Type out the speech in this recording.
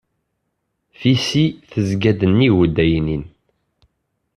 Tisi tezga-d nnig uddaynin.